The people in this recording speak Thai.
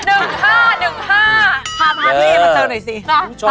สรุปแล้วเดือนสิงหาคม